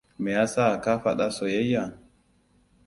Me ya sa ka faɗa soyayya?